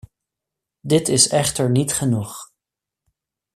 Dit is echter niet genoeg.